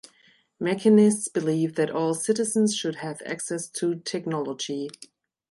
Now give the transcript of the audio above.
Machinists believe that all citizens should have access to technology.